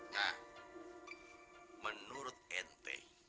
nah menurut nt